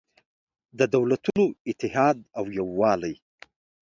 د دولتونو اتحاد او یووالی